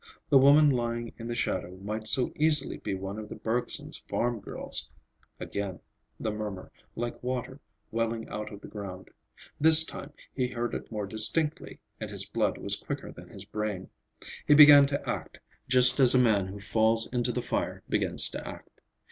The woman lying in the shadow might so easily be one of the Bergsons' farm girls.... Again the murmur, like water welling out of the ground. This time he heard it more distinctly, and his blood was quicker than his brain. He began to act, just as a man who falls into the fire begins to act.